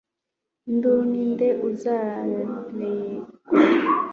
induru, ninde uzarekura